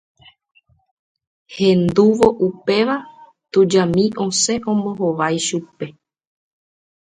hendúvo upéva tujami osẽ ombohovái chupe